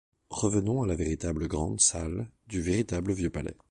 Revenons à la véritable grand-salle du véritable vieux Palais.